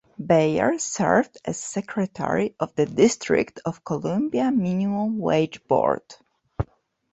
Beyer served as secretary of the District of Columbia Minimum Wage Board.